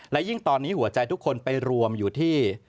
และยิ่งตอนนี้หัวใจทุกคนไปรวมอยู่ที่